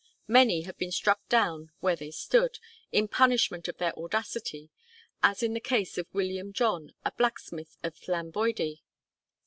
Many have been struck down where they stood, in punishment of their audacity, as in the case of William John, a blacksmith of Lanboydi.